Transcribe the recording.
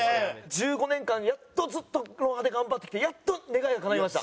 １５年間やっとずっと『ロンハー』で頑張ってきてやっと願いがかないました。